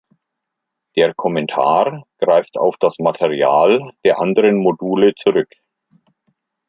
Der Kommentar greift auf das Material der anderen Module zurück.